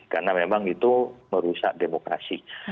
karena memang itu merusak demokrasi